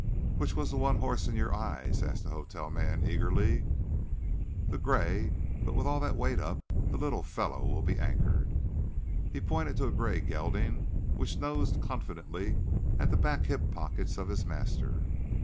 "Which was the one hoss in your eyes?" asked the hotel man eagerly. "The gray. But with that weight up the little fellow will be anchored." He pointed to a gray gelding which nosed confidently at the back hip pockets of his master.